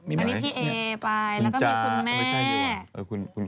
มีใครมีพี่เอไปแล้วก็มีคุณแม่